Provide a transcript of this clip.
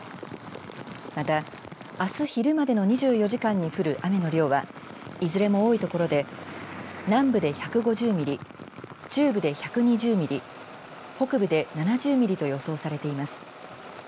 また、あす昼までの２４時間に降る雨の量はいずれも多い所で南部で１５０ミリ中部で１２０ミリ北部で７０ミリと予想されています。